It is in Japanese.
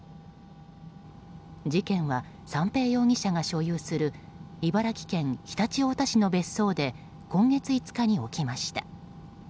事件は三瓶容疑者が所有する茨城県常陸太田市の別荘で今月５日に起きました。